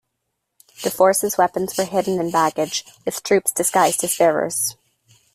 The force's weapons were hidden in baggage, with troops disguised as bearers.